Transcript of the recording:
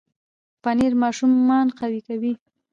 پنېر ماشومان قوي کوي.